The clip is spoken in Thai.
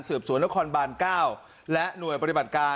สวนแล้วควรบานเก้าและหน่วยปฏิบัติการ